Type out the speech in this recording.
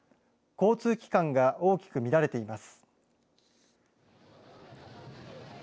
交通機関が大きく乱れています。